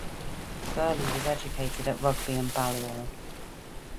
Birley was educated at Rugby and Balliol.